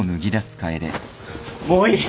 もういい。